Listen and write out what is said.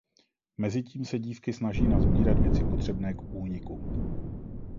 Mezitím se dívky snaží nasbírat věci potřebné k úniku.